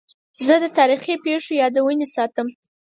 زه د تاریخي پیښو یادونې ساتم.